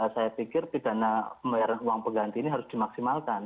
saya pikir pidana pembayaran uang pengganti ini harus dimaksimalkan